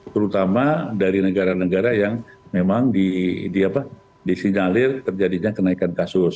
terutama dari negara negara yang memang disinyalir terjadinya kenaikan kasus